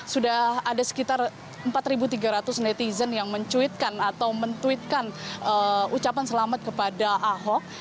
sudah ada sekitar empat tiga ratus netizen yang mencuitkan atau men tweetkan ucapan selamat kepada ahok